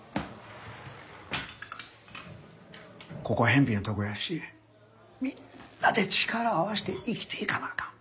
ここはへんぴなとこやしみんなで力を合わせて生きていかなあかん。